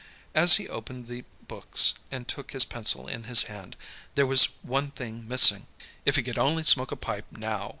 As he opened the books and took his pencil in his hand, there was one thing missing. If he could only smoke a pipe, now!